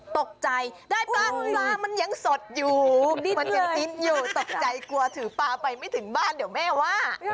ตกใจได้ปลาปลามันยังสดอยู่มันยังฮิตอยู่ตกใจกลัวถือปลาไปไม่ถึงบ้านเดี๋ยวแม่ว่า